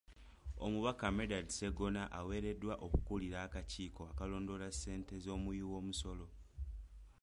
Omubaka Medard Sseggona aweereddwa okukulira akakiiko akalondoola ssente z’omuwi w’omusolo.